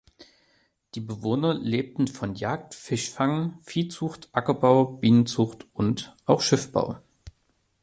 Die Bewohner lebten von Jagd, Fischfang, Viehzucht, Ackerbau, Bienenzucht und auch Schiffbau.